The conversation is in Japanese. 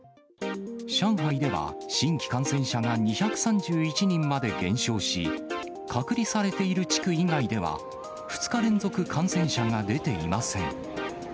上海では、新規感染者が２３１人まで減少し、隔離されている地区以外では、２日連続感染者が出ていません。